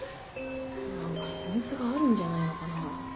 なんかヒミツがあるんじゃないのかな？